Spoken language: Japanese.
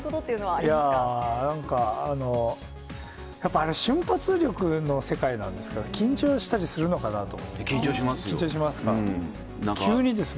いやー、なんかやっぱあの瞬発力の世界なんですから、緊張したりするのか緊張しますよ。